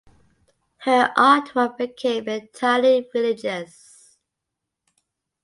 Her artwork became entirely religious.